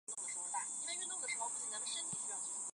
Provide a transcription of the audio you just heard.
广西越桔为杜鹃花科越桔属下的一个种。